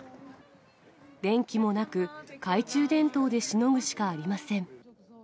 電気もなく、懐中電灯でしのぐしかありません。